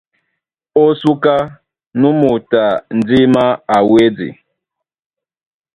Ó súká, nú moto a ndímá a wédi.